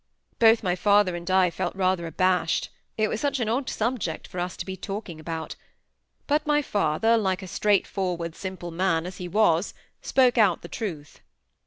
Both my father and I felt rather abashed; it was such an odd subject for us to be talking about; but my father, like a straightforward simple man as he was, spoke out the truth.